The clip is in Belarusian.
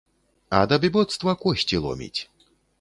Ад абібоцтва косці ломіць.